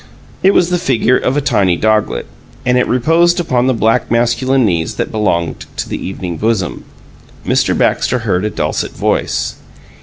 It was the figure of a tiny doglet, and it reposed upon the black masculine knees that belonged to the evening bosom. Mr. Baxter heard a dulcet voice.